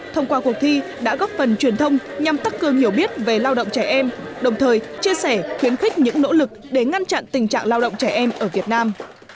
thông qua cuộc thi đã góp phần truyền thông nhằm tăng cường hiểu biết về lao động trẻ em đồng thời chia sẻ khuyến khích những nỗ lực để ngăn chặn tình trạng lao động trẻ em ở việt nam